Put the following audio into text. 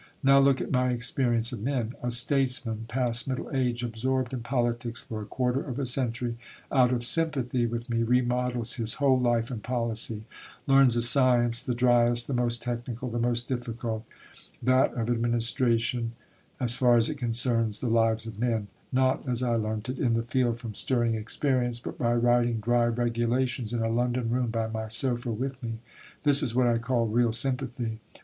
Now look at my experience of men. A statesman, past middle age, absorbed in politics for a quarter of a century, out of sympathy with me, remodels his whole life and policy learns a science the driest, the most technical, the most difficult, that of administration, as far as it concerns the lives of men, not, as I learnt it, in the field from stirring experience, but by writing dry regulations in a London room by my sofa with me. This is what I call real sympathy.